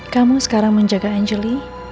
kamu sekarang menjaga anjli